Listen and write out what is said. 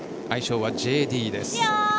愛称はＪＤです。